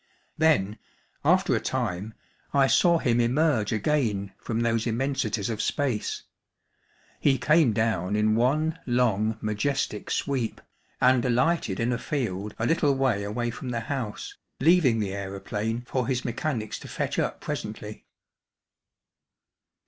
Then, after a time, I saw him emerge again from those immensities of space. He came down in one long majestic sweep, and alighted in a field a little way away from the house, leaving the aeroplane for his mechanics to fetch up presently.